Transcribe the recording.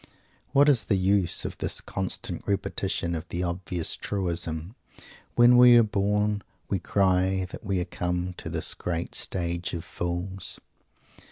What is the use of this constant repetition of the obvious truism: "When we are born we cry that we are come to this great stage of fools?"